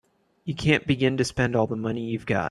You can't begin to spend all the money you've got.